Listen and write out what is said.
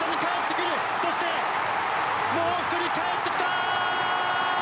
そしてもう１人かえってきた！